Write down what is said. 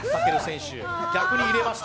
逆に入れました。